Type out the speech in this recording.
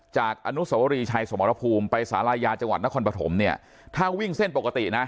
จากอนุสวรีชัยสมรภูมิไปสารายาจังหวัดนครปฐมเนี่ยถ้าวิ่งเส้นปกตินะ